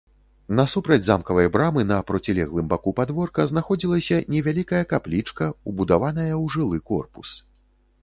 Насупраць замкавай брамы, на процілеглым баку падворка знаходзілася невялікая каплічка, убудаваная ў жылы корпус.